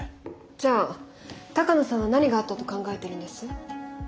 じゃあ鷹野さんは何があったと考えてるんです？